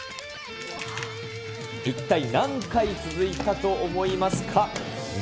一体何回続いたと思いますか？